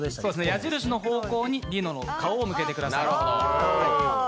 矢印の方向にリノの顔を向けてください。